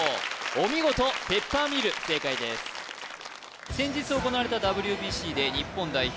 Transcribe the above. お見事ペッパーミル正解です先日行われたＷＢＣで日本代表